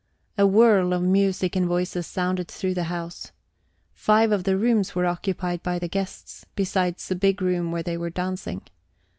A whirl of music and voices sounded through the house. Five of the rooms were occupied by the guests, besides the big room where they were dancing.